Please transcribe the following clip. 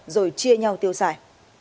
rồi chia nhau tiêu sải